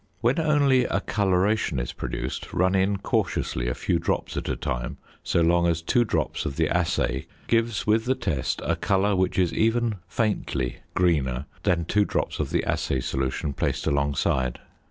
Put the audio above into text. When only a coloration is produced run in cautiously a few drops at a time so long as two drops of the assay gives with the test a colour which is even faintly greener than two drops of the assay solution placed alongside.